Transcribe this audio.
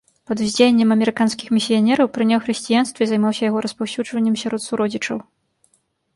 Пад уздзеяннем амерыканскіх місіянераў прыняў хрысціянства і займаўся яго распаўсюджваннем сярод суродзічаў.